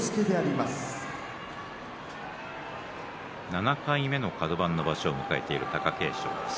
７回目のカド番の場所を迎えている貴景勝です。